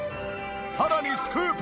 さらにスクープ！